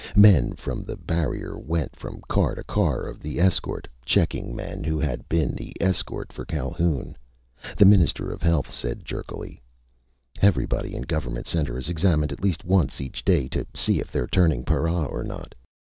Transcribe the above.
Men from the barrier went from car to car of the escort, checking men who had been the escort for Calhoun. The Minister for Health said jerkily: "Everybody in Government Center is examined at least once each day to see if they're turning para or not.